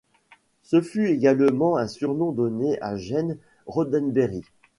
Ce fut également un surnom donné à Gene Roddenberry.